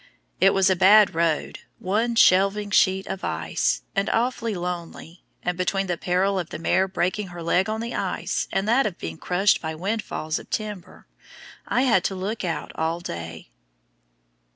It was a bad road, one shelving sheet of ice, and awfully lonely, and between the peril of the mare breaking her leg on the ice and that of being crushed by windfalls of timber, I had to look out all day.